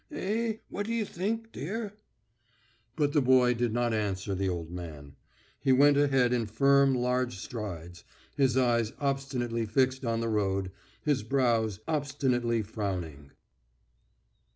"Eh! What do you think, dear?" But the boy did not answer the old man. He went ahead in firm large strides, his eyes obstinately fixed on the road, his brows obstinately frowning.